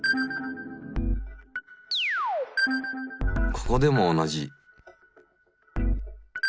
ここでも同じ。